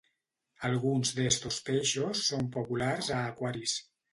Alguns d'estos peixos són populars a aquaris.